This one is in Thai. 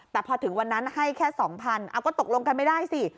แต่พอถึงวันนั้นให้แค่๒๐๐๐เอาก็ตกลงกันไม่ได้สิ